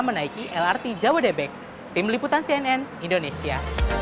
menaiki lrt jabodebek tim liputan cnn indonesia